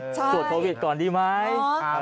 ตรวจโควิดก่อนดีไหม